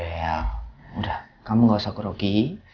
ya udah kamu gak usah kerogi